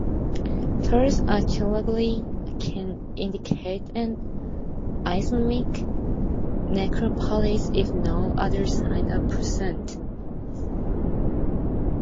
Thus, archaeology can indicate an Islamic necropolis if no other signs are present.